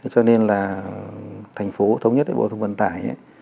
cho nên là thành phố thống nhất với bộ thông vận tải